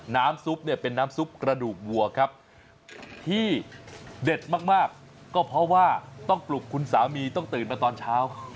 น้ำซุปเนี่ยเป็นน้ำซุปกระดูกวัวครับที่เด็ดมากก็เพราะว่าต้องปลุกคุณสามีต้องตื่นมาตอนเช้า